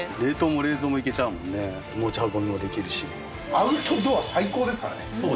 アウトドア最高ですからね。